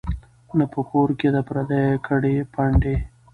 نه په کور کي د پردیو کډي پنډي